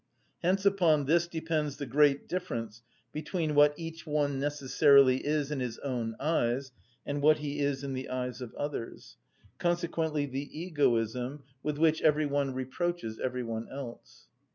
Hence upon this depends the great difference between what each one necessarily is in his own eyes and what he is in the eyes of others, consequently the egoism with which every one reproaches every one else.